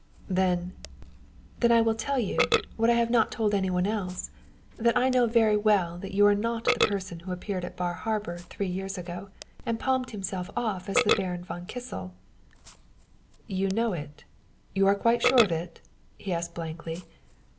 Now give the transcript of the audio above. "Then " "Then I will tell you what I have not told any one else that I know very well that you are not the person who appeared at Bar Harbor three years ago and palmed himself off as the Baron von Kissel." "You know it you are quite sure of it?" he asked blankly.